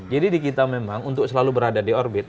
jadi di kita memang untuk selalu berada di orbit